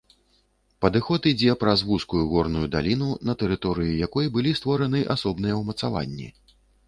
Падыход ідзе праз вузкую горную даліну, на тэрыторыі якой былі створаны асобныя ўмацаванні.